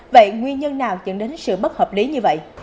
vậy nguyên nhân nào dẫn đến sự bất hợp lý như vậy